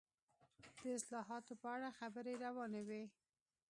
د اصلاحاتو په اړه خبرې روانې وې.